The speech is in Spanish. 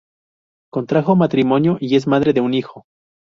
Contrajo matrimonio y es madre de un hijo.